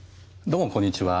どうもこんにちは。